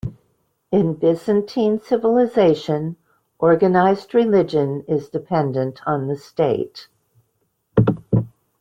In Byzantine civilization, organized religion is dependent on the state.